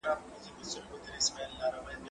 زه مخکي مړۍ خوړلي وه،